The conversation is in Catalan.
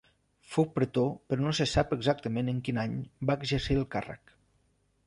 Fou pretor però no se sap exactament en quin any va exercir el càrrec.